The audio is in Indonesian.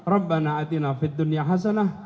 rabbana atina fid dunya hasanah